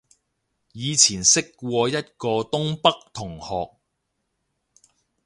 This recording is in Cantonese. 以前識過一個東北同學